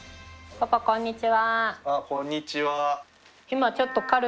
あっこんにちは。